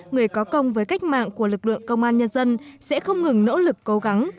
người có công với cách mạng của lực lượng công an nhân dân sẽ không ngừng nỗ lực cố gắng